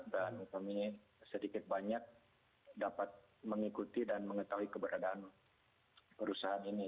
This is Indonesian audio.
dan kami sedikit banyak dapat mengikuti dan mengetahui keberadaan perusahaan ini